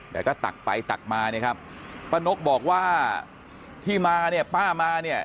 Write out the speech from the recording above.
แต่ก็ตักไปตักมาเนี่ยครับป้านกบอกว่าที่มาเนี่ยป้ามาเนี่ย